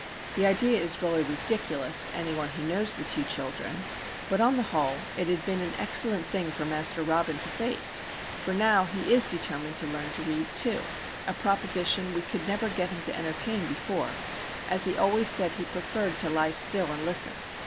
The idea is really ridiculous to any one who knows the two children; but, on the whole, it had been an excellent thing for Master Robin to face, for now he is determined to learn to read, too,—a proposition we could never get him to entertain before, as he always said "he perferred to lie still and listen."